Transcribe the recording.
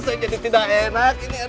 saya jadi tidak enak